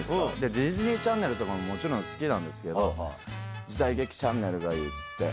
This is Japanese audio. ディズニー・チャンネルももちろん好きなんですけど時代劇チャンネルがいいって。